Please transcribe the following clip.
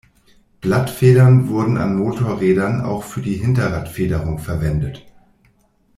Blattfedern wurden an Motorrädern auch für die Hinterradfederung verwendet.